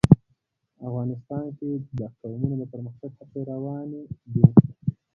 افغانستان کې د قومونه د پرمختګ هڅې روانې دي.